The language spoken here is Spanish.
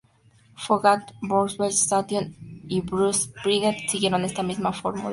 Foghat, Brownsville Station, y Bruce Springsteen siguieron esta misma fórmula.